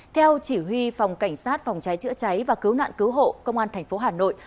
theo chỉ huy phòng cảnh sát phòng cháy chữa cháy và cứu nạn cứu hộ công an tp hà nội